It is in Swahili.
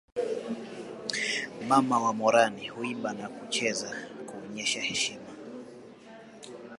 Mama wa Moran huimba na kucheza kuonyesha heshima